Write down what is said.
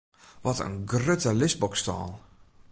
Wat in grutte lisboksstâl!